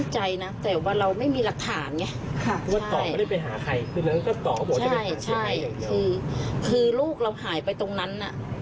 ใช่คือลูกเราหายไปตรงนั้น